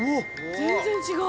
全然違う。